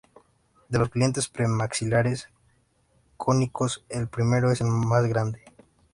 De los dientes premaxilares cónicos, el primero es el más grande.